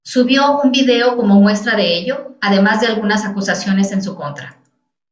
Subió un video como muestra de ello, además de algunas acusaciones en su contra.